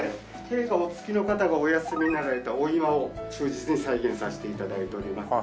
警護お付きの方がお休みになられた御居間を忠実に再現させて頂いております。